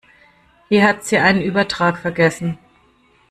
Hier hat sie einen Übertrag vergessen.